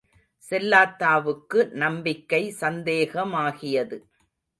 செல்லாத்தாவுக்கு நம்பிக்கை சந்தேகமாகியது.